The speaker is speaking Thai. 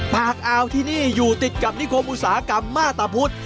ปากอาวที่นี่อยู่ติดกับนิคมอุตสาหกรรมมาตะพุทธ